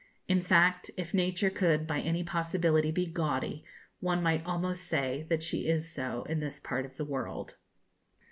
In fact, if nature could by any possibility be gaudy, one might almost say that she is so in this part of the world.